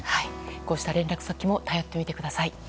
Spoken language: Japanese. こうした連絡先も頼ってみてください。